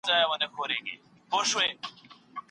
املا د سواد یو اساسي ګام دی.